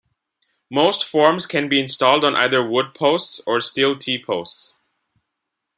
Most forms can be installed on either wood posts or steel t-posts.